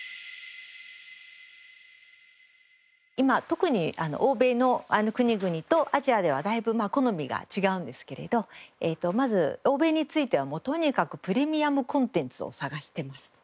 今特に欧米の国々とアジアではだいぶ好みが違うんですけれどまず欧米についてはもうとにかくプレミアムコンテンツを探してますと。